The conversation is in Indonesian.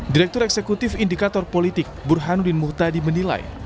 direktur eksekutif indikator politik burhanuddin muhtadi menilai